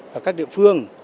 và các địa phương